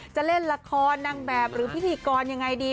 จะเล่นละครนางแบบหรือพิธีกรยังไงดี